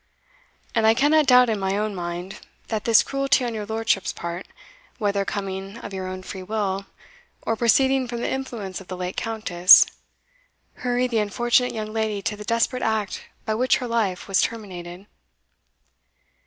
And I cannot doubt in my own mind, that this cruelty on your lordship's part, whether coming of your own free will, or proceeding from the influence of the late Countess, hurried the unfortunate young lady to the desperate act by which her life was terminated."